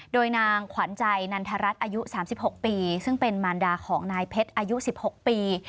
โดยนางขวัญใจนันทรัฐอายุ๓๖ปีซึ่งเป็นมารดาของนายเพชรอายุ๑๖ปี